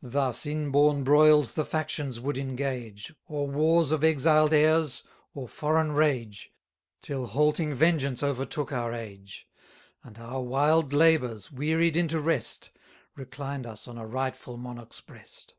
Thus inborn broils the factions would engage, Or wars of exiled heirs, or foreign rage, Till halting vengeance overtook our age: 320 And our wild labours, wearied into rest, Reclined us on a rightful monarch's breast.